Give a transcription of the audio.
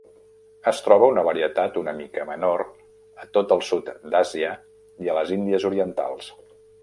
Es troba una varietat una mica menor a tot el sud d'Àsia i a les Índies Orientals.